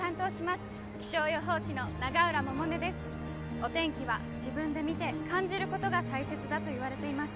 お天気は自分で見て感じることが大切だといわれています。